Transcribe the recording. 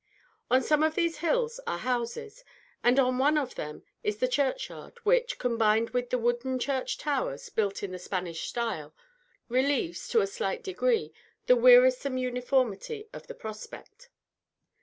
On some of these hills are houses, and on one of them is the churchyard, which, combined with the wooden church towers, built in the Spanish style, relieves, in a slight degree, the wearisome uniformity of the prospect.